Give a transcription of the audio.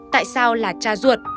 tại sao là cha ruột